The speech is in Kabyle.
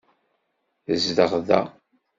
Tezdeɣ da.